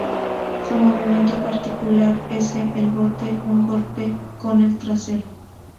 Su movimiento particular ese el "bote", un golpe con el trasero.